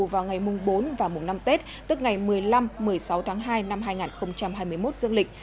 vào ngày mùng bốn và mùng năm tết tức ngày một mươi năm một mươi sáu tháng hai năm hai nghìn hai mươi một dương lịch